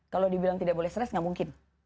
kalau dibilang tidak boleh stres nggak mungkin